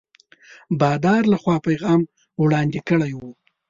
بادار له خوا پیغام وړاندي کړی وو.